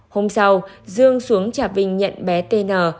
hôm sau dương xuống trạp vinh nhận bé tn